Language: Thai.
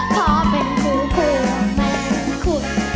เพราะเป็นคู่เพื่อมันคุ้น